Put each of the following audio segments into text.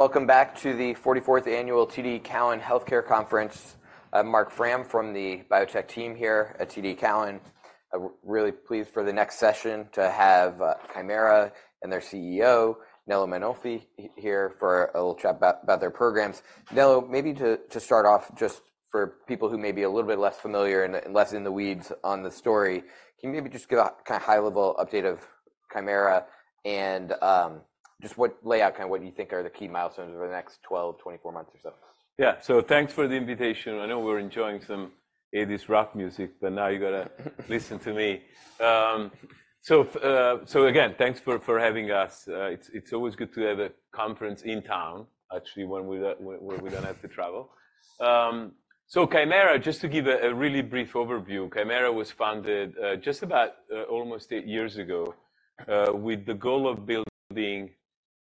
Welcome back to the 44th Annual TD Cowen Healthcare Conference. I'm Marc Frahm from the biotech team here at TD Cowen. Really pleased for the next session to have Kymera and their CEO, Nello Mainolfi, here for a little chat about their programs. Nello, maybe to start off, just for people who may be a little bit less familiar and less in the weeds on the story, can you maybe just give a kind of high-level update of Kymera and just what layout, kind of what you think are the key milestones over the next 12, 24 months or so? Yeah. So thanks for the invitation. I know we're enjoying some 80s rock music, but now you got to listen to me. So again, thanks for having us. It's always good to have a conference in town, actually, when we don't have to travel. So Kymera, just to give a really brief overview, Kymera was founded just about almost eight years ago with the goal of building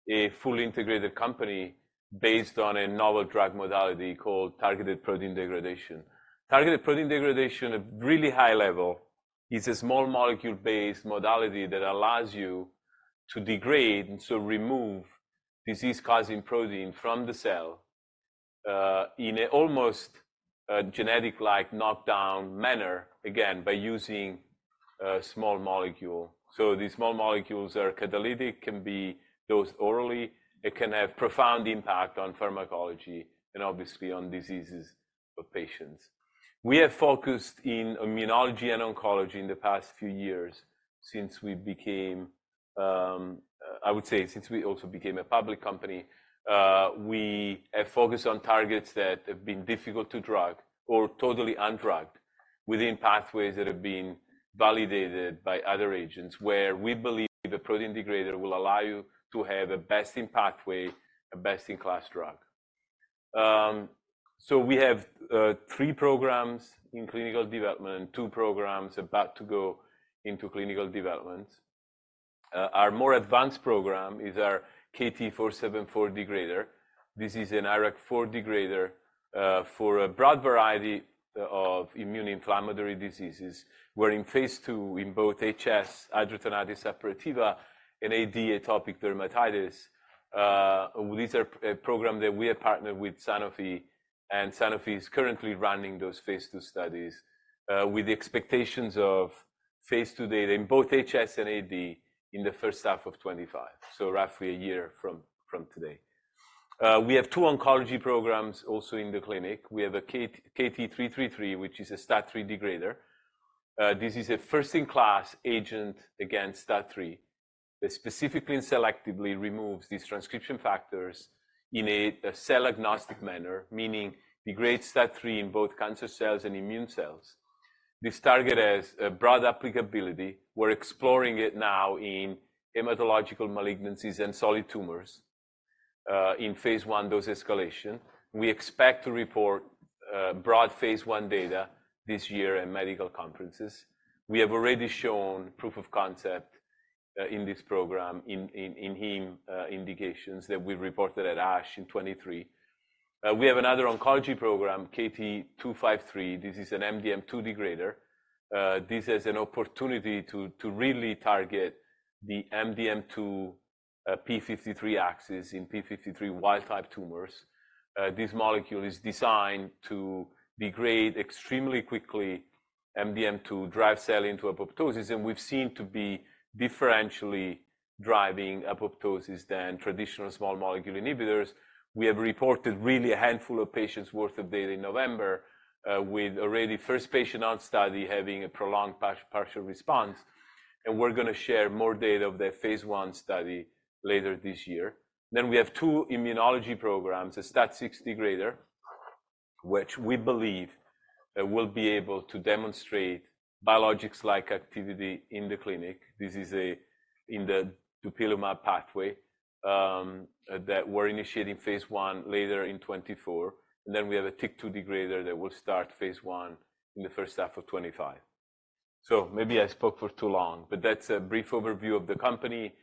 a fully integrated company based on a novel drug modality called targeted protein degradation. Targeted protein degradation, at a really high level, is a small molecule-based modality that allows you to degrade and so remove disease-causing protein from the cell in an almost genetic-like knockdown manner, again, by using a small molecule. So these small molecules are catalytic, can be dosed orally, it can have profound impact on pharmacology and obviously on diseases of patients. We have focused in immunology and oncology in the past few years since we became, I would say, since we also became a public company. We have focused on targets that have been difficult to drug or totally undrugged within pathways that have been validated by other agents where we believe a protein degrader will allow you to have a best-in-pathway, a best-in-class drug. So we have three programs in clinical development, two programs about to go into clinical development. Our more advanced program is our KT-474 degrader. This is an IRAK4 degrader for a broad variety of immune-inflammatory diseases. We're in phase II in both HS, hidradenitis suppurativa, and AD, atopic dermatitis. These are programs that we have partnered with Sanofi, and Sanofi is currently running those phase II studies with the expectations of phase II data in both HS and AD in the first half of 2025, so roughly a year from today. We have two oncology programs also in the clinic. We have a KT-333, which is a STAT3 degrader. This is a first-in-class agent against STAT3 that specifically and selectively removes these transcription factors in a cell-agnostic manner, meaning degrades STAT3 in both cancer cells and immune cells. This target has broad applicability. We're exploring it now in hematological malignancies and solid tumors in phase I dose escalation. We expect to report broad phase I data this year at medical conferences. We have already shown proof of concept in this program in heme indications that we reported at ASH in 2023. We have another oncology program, KT-253. This is an MDM2 degrader. This has an opportunity to really target the MDM2 p53 axis in p53 wild-type tumors. This molecule is designed to degrade extremely quickly, MDM2, drive cell into apoptosis, and we've seen to be differentially driving apoptosis than traditional small molecule inhibitors. We have reported really a handful of patients' worth of data in November with already first patient on study having a prolonged partial response. We're going to share more data of that phase I study later this year. Then we have two immunology programs, a STAT6 degrader, which we believe will be able to demonstrate biologics-like activity in the clinic. This is in the dupilumab pathway that we're initiating phase I later in 2024. Then we have a TYK2 degrader that will start phase I in the first half of 2025. Maybe I spoke for too long, but that's a brief overview of the company,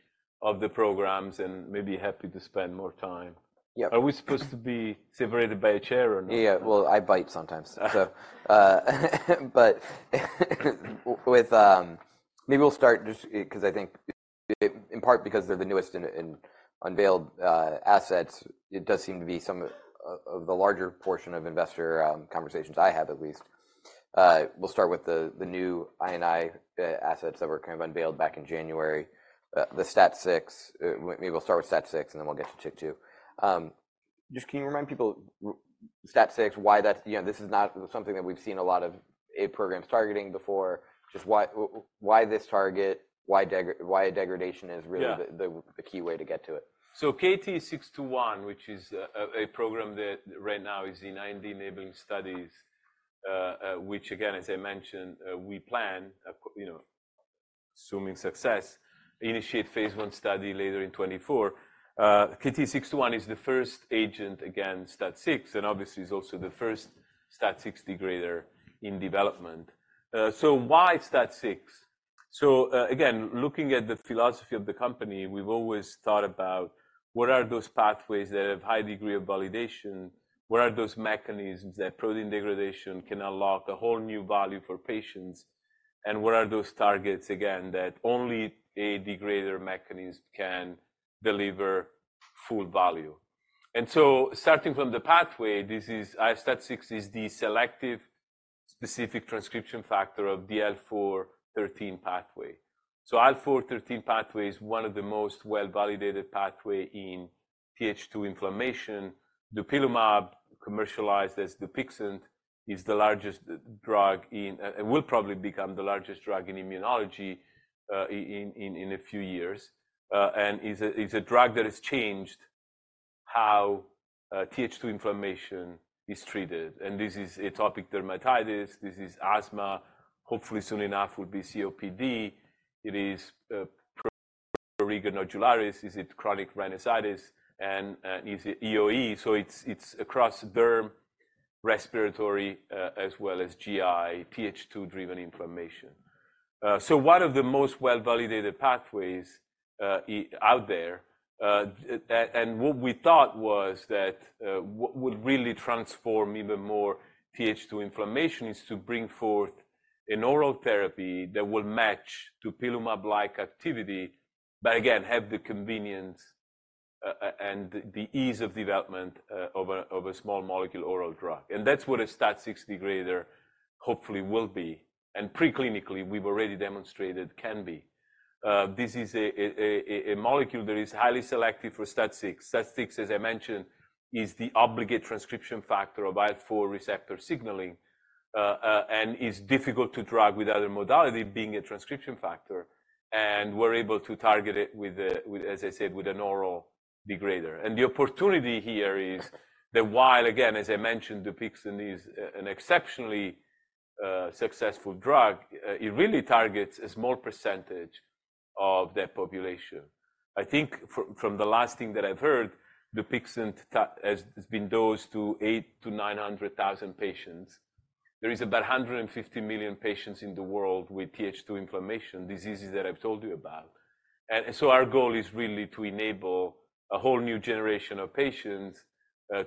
of the programs, and maybe happy to spend more time. Yeah. Are we supposed to be separated by a chair or no? Yeah. Well, I bite sometimes, so. But maybe we'll start just because I think in part because they're the newly unveiled assets, it does seem to be some of the larger portion of investor conversations I have, at least. We'll start with the new immuno assets that were kind of unveiled back in January, the STAT6. Maybe we'll start with STAT6 and then we'll get to TYK2. Just, can you remind people STAT6, why that is, this is not something that we've seen a lot of autoimmune programs targeting before. Just why this target, why degradation is really the key way to get to it. So KT-621, which is a program that right now is in IND-enabling studies, which again, as I mentioned, we plan, assuming success, initiate phase I study later in 2024. KT-621 is the first agent against STAT6 and obviously is also the first STAT6 degrader in development. So why STAT6? So again, looking at the philosophy of the company, we've always thought about what are those pathways that have a high degree of validation? What are those mechanisms that protein degradation can unlock a whole new value for patients? And what are those targets, again, that only a degrader mechanism can deliver full value? And so starting from the pathway, this is STAT6 is the selective specific transcription factor of the IL-4/IL-13 pathway. So IL-4/IL-13 pathway is one of the most well-validated pathways in Th2 inflammation. dupilumab, commercialized as Dupixent, is the largest drug and will probably become the largest drug in immunology in a few years and is a drug that has changed how Th2 inflammation is treated. This is atopic dermatitis. This is asthma. Hopefully, soon enough, it will be COPD. It is prurigo nodularis. Is it chronic rhinitis? Is it EoE? It's across derm, respiratory, as well as GI, Th2-driven inflammation. One of the most well-validated pathways out there and what we thought was that what would really transform even more Th2 inflammation is to bring forth an oral therapy that will match dupilumab-like activity, but again, have the convenience and the ease of development of a small molecule oral drug. That's what a STAT6 degrader hopefully will be. Preclinically, we've already demonstrated it can be. This is a molecule that is highly selective for STAT6. STAT6, as I mentioned, is the obligate transcription factor of IL-4 receptor signaling and is difficult to drug with other modalities being a transcription factor. We're able to target it with, as I said, with an oral degrader. The opportunity here is that while, again, as I mentioned, Dupixent is an exceptionally successful drug, it really targets a small percentage of that population. I think from the last thing that I've heard, Dupixent has been dosed to 800,000-900,000 patients. There is about 150 million patients in the world with Th2 inflammation, diseases that I've told you about. So our goal is really to enable a whole new generation of patients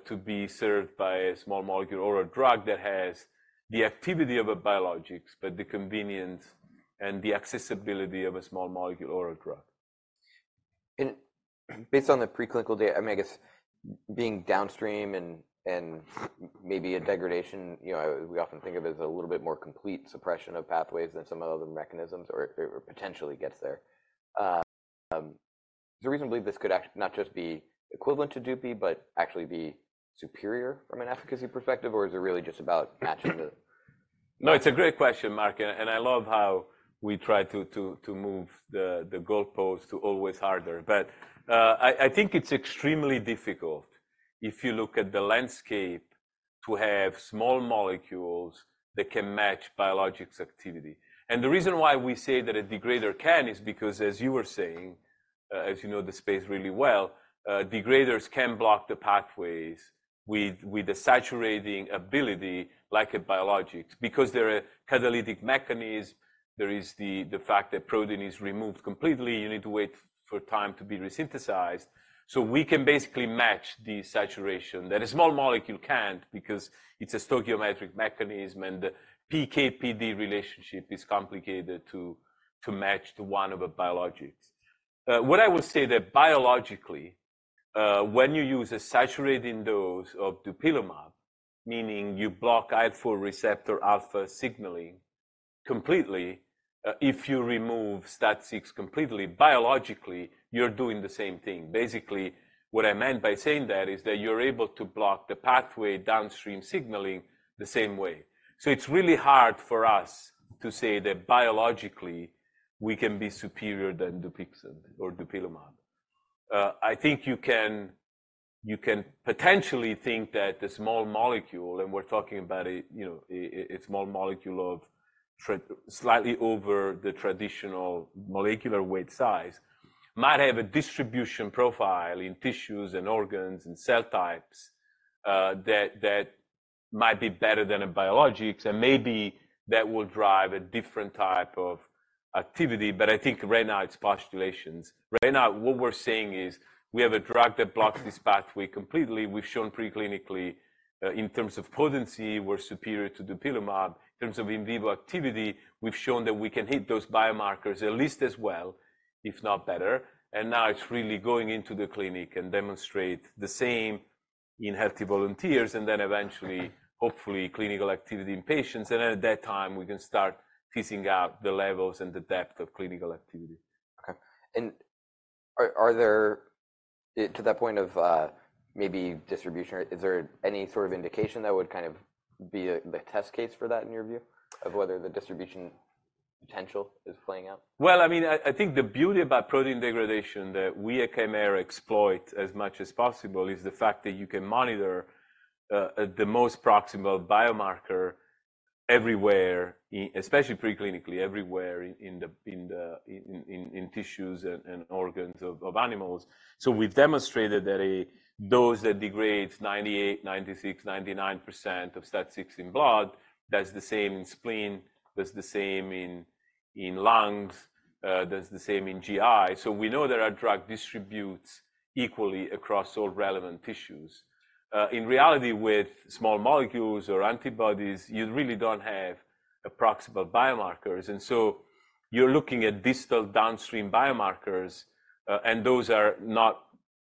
to be served by a small molecule oral drug that has the activity of a biologics, but the convenience and the accessibility of a small molecule oral drug. Based on the preclinical data, I mean, I guess being downstream and maybe a degradation, we often think of it as a little bit more complete suppression of pathways than some of the other mechanisms or potentially gets there. Is there a reason to believe this could not just be equivalent to Dupi, but actually be superior from an efficacy perspective, or is it really just about matching the? No, it's a great question, Marc. And I love how we try to move the goalpost to always harder. But I think it's extremely difficult if you look at the landscape to have small molecules that can match biologics activity. And the reason why we say that a degrader can is because, as you were saying, as you know the space really well, degraders can block the pathways with a saturating ability like a biologics because they're a catalytic mechanism. There is the fact that protein is removed completely. You need to wait for time to be resynthesized. So we can basically match the saturation that a small molecule can't because it's a stoichiometric mechanism and the PK/PD relationship is complicated to match to one of a biologics. What I will say that biologically, when you use a saturating dose of dupilumab, meaning you block IL-4 receptor alpha signaling completely, if you remove STAT6 completely, biologically, you're doing the same thing. Basically, what I meant by saying that is that you're able to block the pathway downstream signaling the same way. So it's really hard for us to say that biologically we can be superior than Dupixent or dupilumab. I think you can potentially think that the small molecule and we're talking about a small molecule of slightly over the traditional molecular weight size might have a distribution profile in tissues and organs and cell types that might be better than a biologics. And maybe that will drive a different type of activity. But I think right now it's postulations. Right now, what we're saying is we have a drug that blocks this pathway completely. We've shown preclinically in terms of potency, we're superior to dupilumab. In terms of in vivo activity, we've shown that we can hit those biomarkers at least as well, if not better. And now it's really going into the clinic and demonstrate the same in healthy volunteers and then eventually, hopefully, clinical activity in patients. And then at that time, we can start teasing out the levels and the depth of clinical activity. Okay. Are there to that point of maybe distribution, is there any sort of indication that would kind of be the test case for that in your view of whether the distribution potential is playing out? Well, I mean, I think the beauty about protein degradation that we at Kymera exploit as much as possible is the fact that you can monitor the most proximal biomarker everywhere, especially preclinically, everywhere in tissues and organs of animals. So we've demonstrated that a dose that degrades 98%, 96%, 99% of STAT6 in blood, that's the same in spleen, that's the same in lungs, that's the same in GI. So we know there are drug distributes equally across all relevant tissues. In reality, with small molecules or antibodies, you really don't have proximal biomarkers. And so you're looking at distal downstream biomarkers, and those are not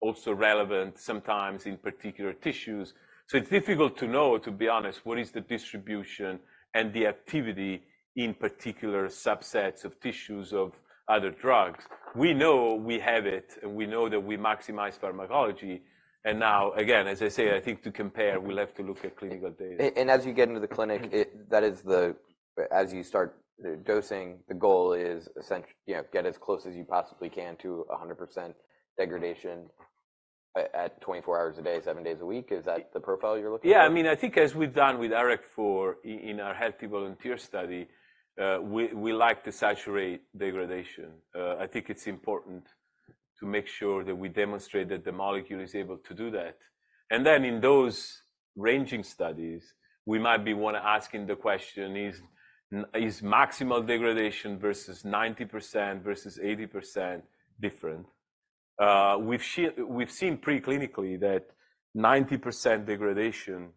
also relevant sometimes in particular tissues. So it's difficult to know, to be honest, what is the distribution and the activity in particular subsets of tissues of other drugs. We know we have it, and we know that we maximize pharmacology. Now, again, as I say, I think to compare, we'll have to look at clinical data. As you get into the clinic, that is, as you start dosing, the goal is essentially to get as close as you possibly can to 100% degradation at 24 hours a day, seven days a week. Is that the profile you're looking at? Yeah. I mean, I think as we've done with IRAK4 in our healthy volunteer study, we like to saturate degradation. I think it's important to make sure that we demonstrate that the molecule is able to do that. And then in those ranging studies, we might want to ask the question, is maximal degradation versus 90% versus 80% different? We've seen preclinically that 90% degradation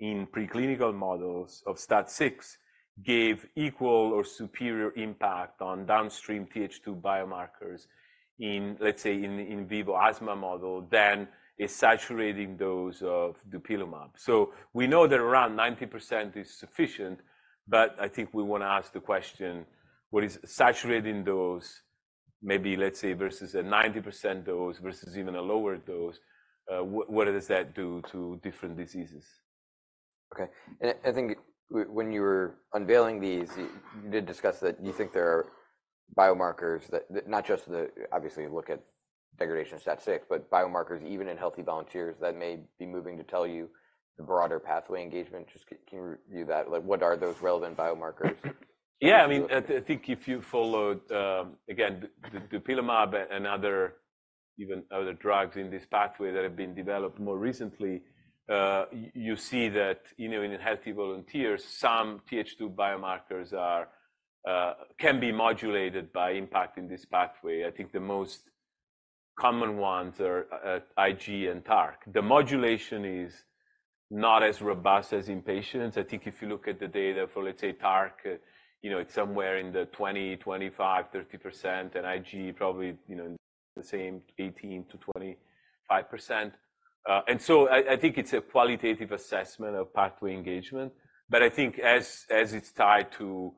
in preclinical models of STAT6 gave equal or superior impact on downstream Th2 biomarkers in, let's say, in vivo asthma model than a saturating dose of dupilumab. So we know that around 90% is sufficient. But I think we want to ask the question, what is saturating dose, maybe, let's say, versus a 90% dose versus even a lower dose? What does that do to different diseases? Okay. And I think when you were unveiling these, you did discuss that you think there are biomarkers that not just the obviously, you look at degradation STAT6, but biomarkers even in healthy volunteers that may be moving to tell you the broader pathway engagement. Just, can you review that? What are those relevant biomarkers? Yeah. I mean, I think if you follow, again, dupilumab and other drugs in this pathway that have been developed more recently, you see that in healthy volunteers, some Th2 biomarkers can be modulated by impacting this pathway. I think the most common ones are Ig and TARC. The modulation is not as robust as in patients. I think if you look at the data for, let's say, TARC, it's somewhere in the 20%, 25%, 30% and Ig probably the same 18%-25%. And so I think it's a qualitative assessment of pathway engagement. But I think as it's tied to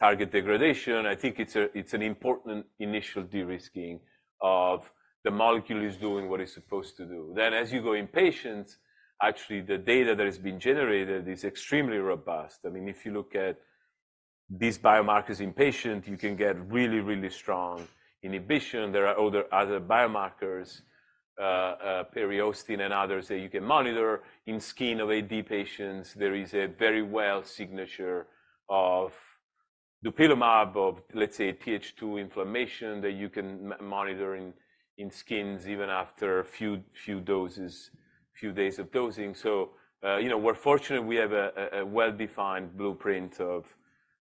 target degradation, I think it's an important initial de-risking of the molecule is doing what it's supposed to do. Then as you go in patients, actually, the data that has been generated is extremely robust. I mean, if you look at these biomarkers in patient, you can get really, really strong inhibition. There are other biomarkers, periostin and others that you can monitor. In skin of AD patients, there is a very well signature of dupilumab of, let's say, Th2 inflammation that you can monitor in skin even after a few doses, a few days of dosing. So we're fortunate we have a well-defined blueprint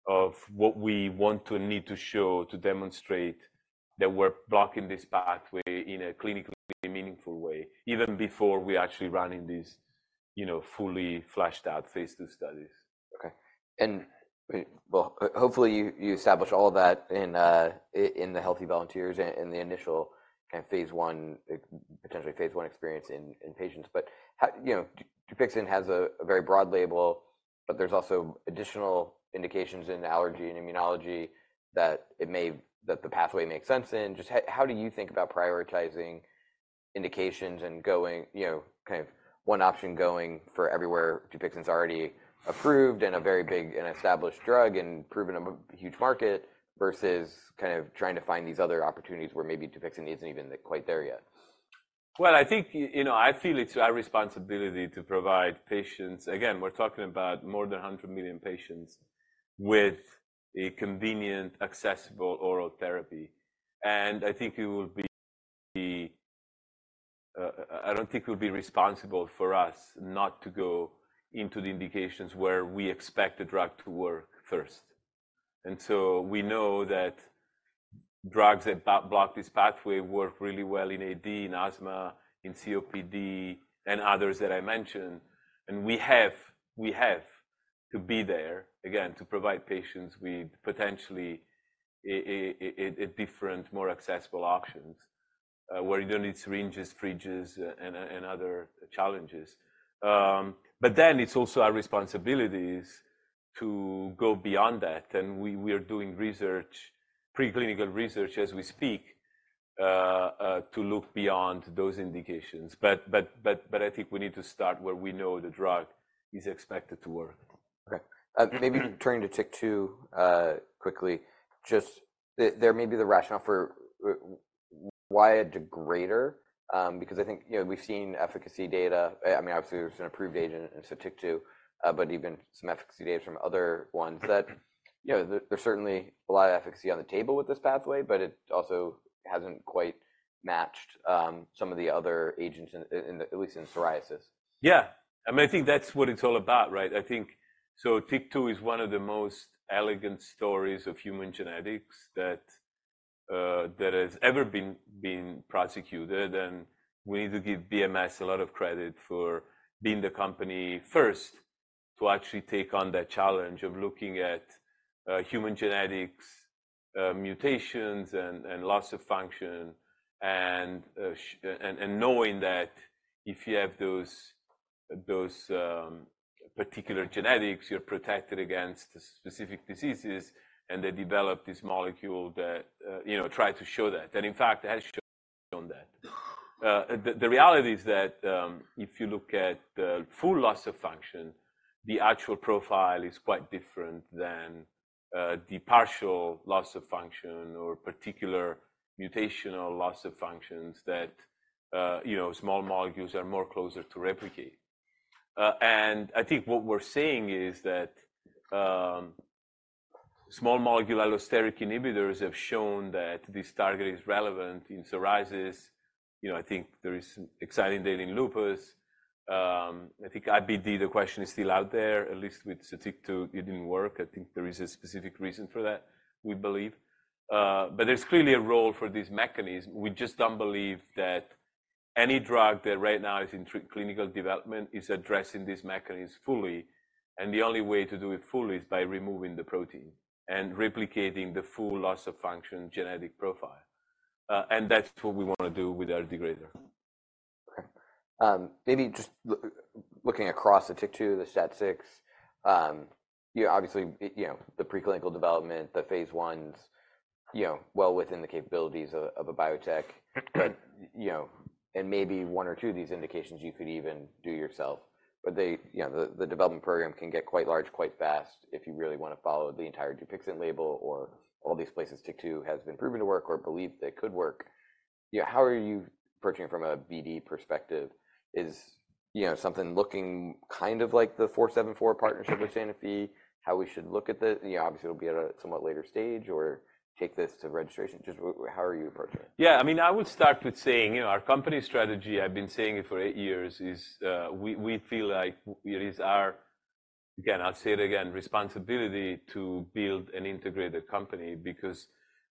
of what we want to need to show to demonstrate that we're blocking this pathway in a clinically meaningful way, even before we actually run in these fully fleshed out phase II studies. Okay. And well, hopefully, you establish all that in the healthy volunteers and the initial kind of phase I, potentially phase I experience in patients. But Dupixent has a very broad label, but there's also additional indications in allergy and immunology that the pathway makes sense in. Just how do you think about prioritizing indications and going kind of one option going for everywhere Dupixent's already approved and a very big and established drug and proven a huge market versus kind of trying to find these other opportunities where maybe Dupixent isn't even quite there yet? Well, I think I feel it's our responsibility to provide patients. Again, we're talking about more than 100 million patients with a convenient, accessible oral therapy. I don't think it would be responsible for us not to go into the indications where we expect the drug to work first. And so we know that drugs that block this pathway work really well in ADs, in asthma, in COPD, and others that I mentioned. And we have to be there, again, to provide patients with potentially different, more accessible options where you don't need syringes, fridges, and other challenges. But then it's also our responsibilities to go beyond that. And we are doing research, preclinical research as we speak, to look beyond those indications. But I think we need to start where we know the drug is expected to work. Okay. Maybe turning to TYK2 quickly, just there may be the rationale for why a degrader? Because I think we've seen efficacy data. I mean, obviously, there's an approved agent and so TYK2, but even some efficacy data from other ones that there's certainly a lot of efficacy on the table with this pathway, but it also hasn't quite matched some of the other agents, at least in psoriasis. Yeah. I mean, I think that's what it's all about, right? I think so, TYK2 is one of the most elegant stories of human genetics that has ever been prosecuted. We need to give BMS a lot of credit for being the company first to actually take on that challenge of looking at human genetics mutations and loss of function and knowing that if you have those particular genetics, you're protected against specific diseases. They developed this molecule that tried to show that. In fact, it has shown that. The reality is that if you look at full loss of function, the actual profile is quite different than the partial loss of function or particular mutational loss of functions that small molecules are more closer to replicate. I think what we're saying is that small-molecule allosteric inhibitors have shown that this target is relevant in psoriasis. I think there is exciting data in lupus. I think IBD, the question is still out there, at least with TYK2, it didn't work. I think there is a specific reason for that, we believe. But there's clearly a role for this mechanism. We just don't believe that any drug that right now is in clinical development is addressing this mechanism fully. And the only way to do it fully is by removing the protein and replicating the full loss of function genetic profile. And that's what we want to do with our degrader. Okay. Maybe just looking across the TYK2, the STAT6, obviously, the preclinical development, the phase I, well within the capabilities of a biotech. And maybe one or two of these indications you could even do yourself. But the development program can get quite large, quite fast if you really want to follow the entire Dupixent label or all these places TYK2 has been proven to work or believe that it could work. How are you approaching it from a BD perspective? Is something looking kind of like the 474 partnership with Sanofi, how we should look at this? Obviously, it'll be at a somewhat later stage or take this to registration. Just how are you approaching it? Yeah. I mean, I would start with saying our company strategy, I've been saying it for eight years, is we feel like it is our, again, I'll say it again, responsibility to build an integrated company because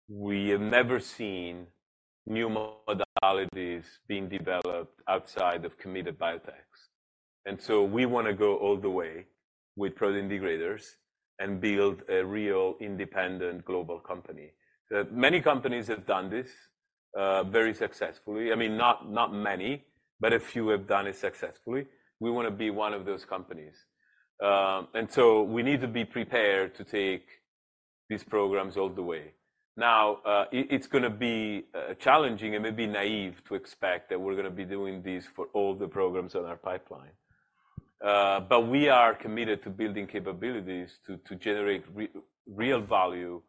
we have never seen new modalities being developed outside of committed biotechs. And so we want to go all the way with protein degraders and build a real independent global company. Many companies have done this very successfully. I mean, not many, but a few have done it successfully. We want to be one of those companies. And so we need to be prepared to take these programs all the way. Now, it's going to be challenging and maybe naive to expect that we're going to be doing this for all the programs on our pipeline. But we are committed to building capabilities to generate real value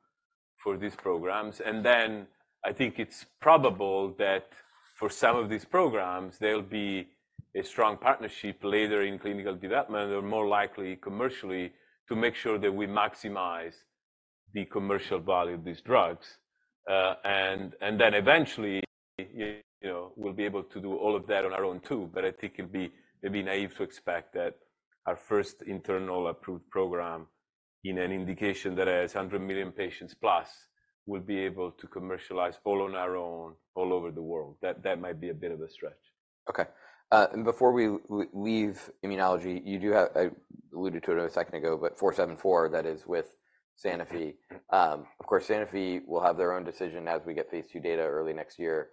for these programs. Then I think it's probable that for some of these programs, there'll be a strong partnership later in clinical development or more likely commercially to make sure that we maximize the commercial value of these drugs. Then eventually, we'll be able to do all of that on our own too. But I think it'd be maybe naive to expect that our first internal approved program in an indication that has 100+ million patients will be able to commercialize all on our own all over the world. That might be a bit of a stretch. Okay. And before we leave immunology, you do have, I alluded to it a second ago, but 474, that is with Sanofi. Of course, Sanofi will have their own decision as we get phase II data early next year.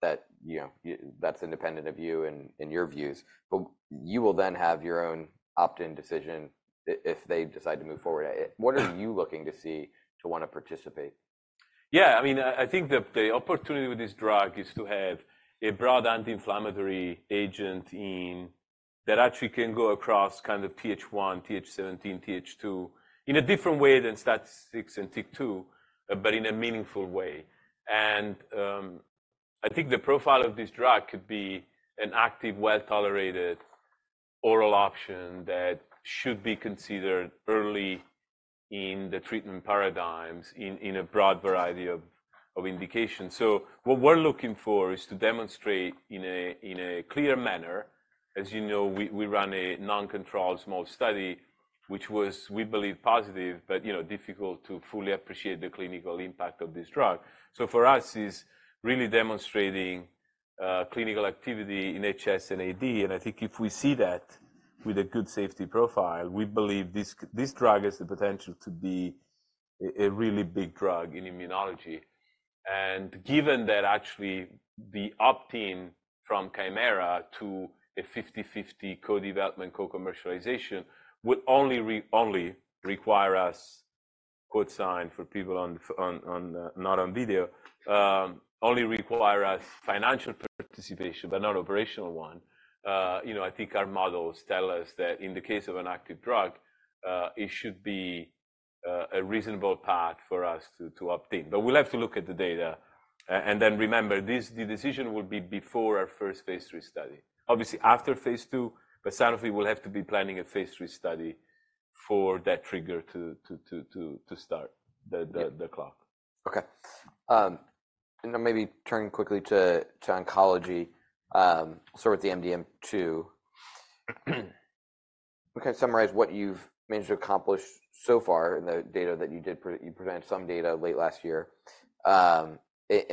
That's independent of you and your views. But you will then have your own opt-in decision if they decide to move forward. What are you looking to see to want to participate? Yeah. I mean, I think the opportunity with this drug is to have a broad anti-inflammatory agent that actually can go across kind of Th1, Th17, Th2 in a different way than STAT6 and TYK2, but in a meaningful way. And I think the profile of this drug could be an active, well-tolerated oral option that should be considered early in the treatment paradigms in a broad variety of indications. So what we're looking for is to demonstrate in a clear manner. As you know, we run a non-controlled small study, which was, we believe, positive, but difficult to fully appreciate the clinical impact of this drug. So for us, it's really demonstrating clinical activity in HS and AD. And I think if we see that with a good safety profile, we believe this drug has the potential to be a really big drug in immunology. Given that actually the opt-in from Kymera to a 50/50 co-development, co-commercialization would only require us quote sign for people not on video, only require us financial participation, but not operational one. I think our models tell us that in the case of an active drug, it should be a reasonable path for us to opt-in. But we'll have to look at the data. And then remember, the decision will be before our first phase III study. Obviously, after phase II, but Sanofi will have to be planning a phase III study for that trigger to start the clock. Okay. And now maybe turning quickly to oncology, we'll start with the MDM2. We can summarize what you've managed to accomplish so far in the data that you did. You presented some data late last year and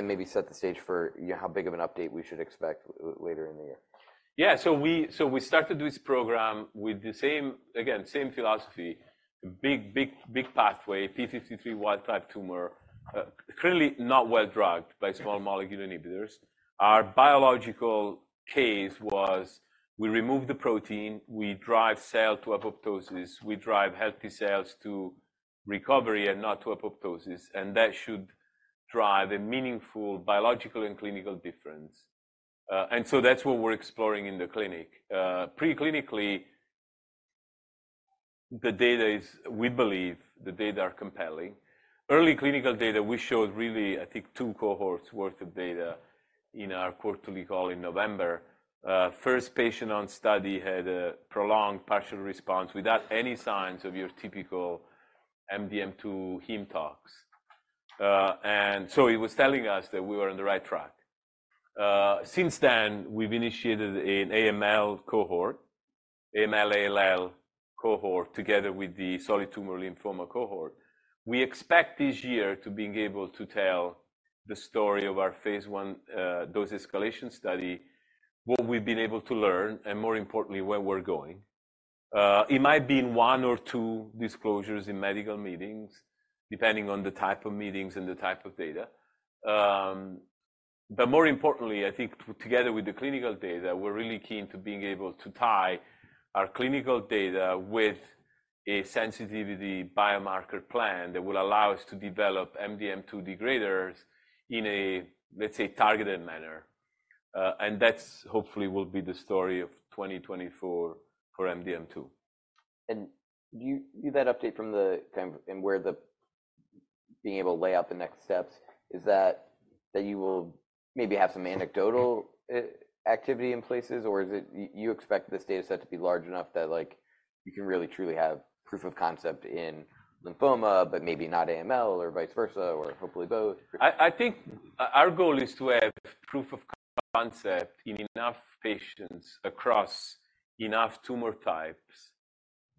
maybe set the stage for how big of an update we should expect later in the year. Yeah. So we started this program with the same, again, same philosophy, big, big, big pathway, p53 wild-type tumor, clearly not well-drugged by small molecule inhibitors. Our biological case was we remove the protein, we drive cell to apoptosis, we drive healthy cells to recovery and not to apoptosis. And that should drive a meaningful biological and clinical difference. And so that's what we're exploring in the clinic. Preclinically, the data is we believe the data are compelling. Early clinical data, we showed really, I think, two cohorts' worth of data in our quarterly call in November. First patient on study had a prolonged partial response without any signs of your typical MDM2 heme tox. And so it was telling us that we were on the right track. Since then, we've initiated an AML cohort, AML-ALL cohort together with the solid tumor lymphoma cohort. We expect this year to be able to tell the story of our phase I dose escalation study, what we've been able to learn, and more importantly, where we're going. It might be in one or two disclosures in medical meetings, depending on the type of meetings and the type of data. But more importantly, I think together with the clinical data, we're really keen to being able to tie our clinical data with a sensitivity biomarker plan that will allow us to develop MDM2 degraders in a, let's say, targeted manner. And that hopefully will be the story of 2024 for MDM2. And with that update from the kind of and where we're being able to lay out the next steps, is that you will maybe have some anecdotal activity in places, or is it you expect this data set to be large enough that you can really truly have proof of concept in lymphoma, but maybe not AML or vice versa or hopefully both? I think our goal is to have proof of concept in enough patients across enough tumor types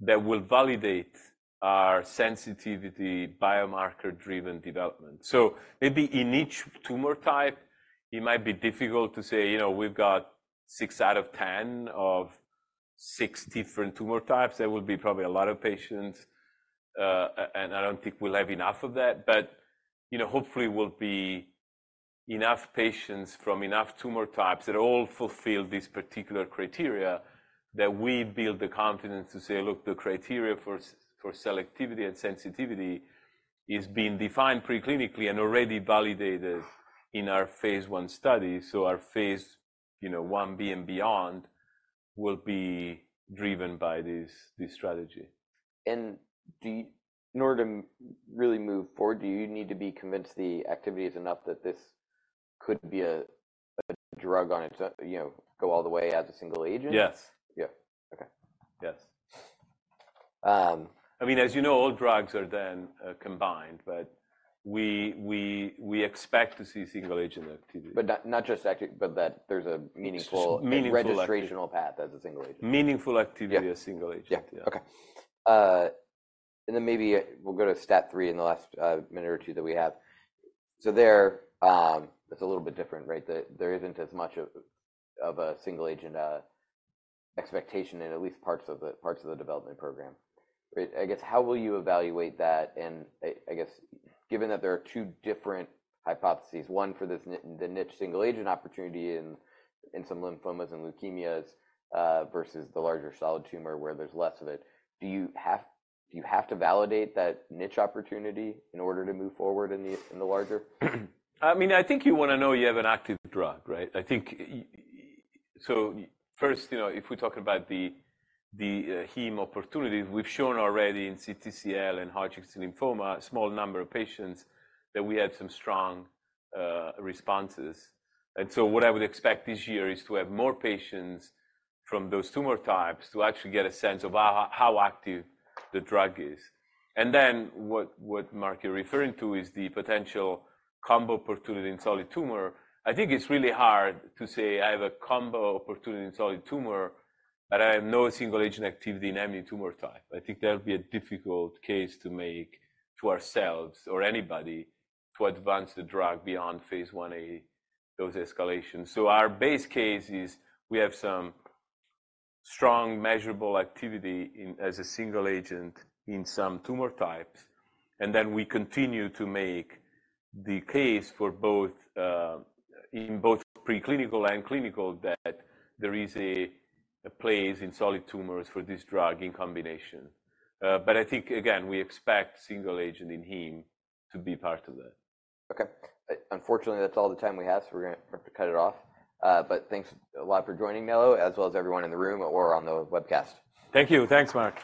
that will validate our sensitivity biomarker-driven development. So maybe in each tumor type, it might be difficult to say we've got six out of 10 of six different tumor types. There will be probably a lot of patients. I don't think we'll have enough of that. Hopefully it will be enough patients from enough tumor types that all fulfill this particular criteria that we build the confidence to say, look, the criteria for selectivity and sensitivity is being defined preclinically and already validated in our phase I study. Our phase I-B and beyond will be driven by this strategy. In order to really move forward, do you need to be convinced the activity is enough that this could be a drug on its own go all the way as a single agent? Yes. Yeah. Okay. Yes. I mean, as you know, all drugs are then combined, but we expect to see single agent activity. But not just activity, but that there's a meaningful registrational path as a single agent. Meaningful activity as single agent. Yeah. Okay. And then maybe we'll go to STAT3 in the last minute or two that we have. So there, it's a little bit different, right? There isn't as much of a single agent expectation in at least parts of the development program. I guess how will you evaluate that? And I guess given that there are two different hypotheses, one for the niche single agent opportunity in some lymphomas and leukemias versus the larger solid tumor where there's less of it, do you have to validate that niche opportunity in order to move forward in the larger? I mean, I think you want to know you have an active drug, right? I think so first, if we're talking about the heme opportunity, we've shown already in CTCL and Hodgkin's lymphoma, a small number of patients that we had some strong responses. And so what I would expect this year is to have more patients from those tumor types to actually get a sense of how active the drug is. And then what Marc you're referring to is the potential combo opportunity in solid tumor. I think it's really hard to say I have a combo opportunity in solid tumor, but I have no single agent activity in any tumor type. I think that'll be a difficult case to make to ourselves or anybody to advance the drug beyond phase I-A dose escalation. So our base case is we have some strong measurable activity as a single agent in some tumor types. And then we continue to make the case for both in both preclinical and clinical that there is a place in solid tumors for this drug in combination. But I think, again, we expect single agent in heme to be part of that. Okay. Unfortunately, that's all the time we have, so we're going to have to cut it off. But thanks a lot for joining, Nello, as well as everyone in the room or on the webcast. Thank you. Thanks, Marc.